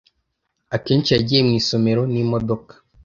Akenshi yagiye mu isomero n'imodoka.